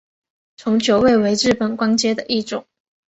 从九位为日本官阶的一种。